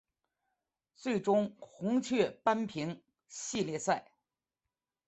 最终红雀扳平系列赛。